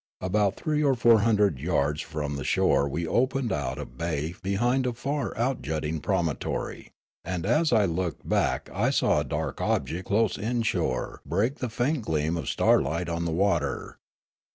About three or four hundred yards from the shore we opened out a baj^ behind a far out jutting promoutor}' ; and as I looked back I saw a dark object close inshore break the faint gleam of starlight on the water.